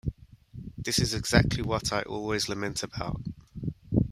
This is exactly what I always lament about.